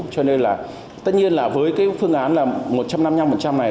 cho nên là tất nhiên là với cái phương án là một trăm năm mươi năm này